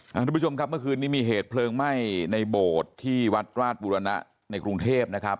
คุณผู้ชมครับเมื่อคืนนี้มีเหตุเพลิงไหม้ในโบสถ์ที่วัดราชบุรณะในกรุงเทพนะครับ